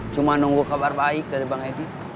cuma nunggu kabar baik dari bang edi